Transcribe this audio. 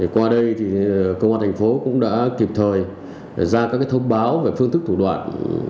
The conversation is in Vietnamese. qua đây thì công an thành phố cũng đã kịp thời ra các thông báo về phương thức thủ đoạn